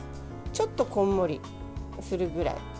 ちょっとこんもりするぐらい。